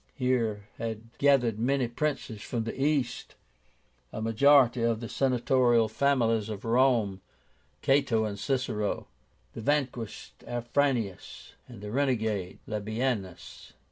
Here had gathered many princes from the East, a majority of the Senatorial families of Rome, Cato and Cicero, the vanquished Afranius, and the renegade Labiénus.